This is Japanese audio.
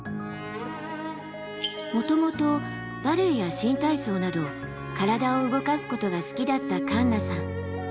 もともとバレエや新体操など体を動かすことが好きだったカンナさん。